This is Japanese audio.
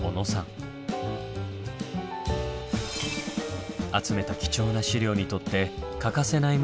集めた貴重な資料にとって欠かせないものがこの中に。